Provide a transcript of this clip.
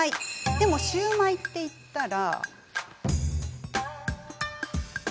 でも、シューマイっていったら。